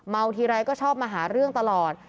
ทีไรก็ชอบมาหาเรื่องตลอด